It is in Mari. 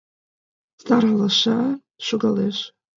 Сар алаша шогалеш.